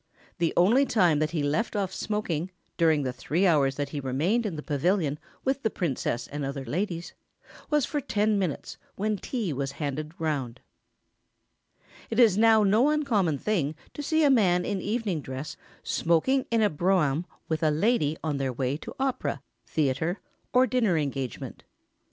The only time that he left off smoking, during the three hours that he remained in the Pavilion with the Princess and other ladies, was for ten minutes when tea was handed round. [Sidenote: The lengths to which a smoker may now go.] It is now no uncommon thing to see a man in evening dress smoking in a brougham with a lady on their way to opera, theatre, or dinner engagement.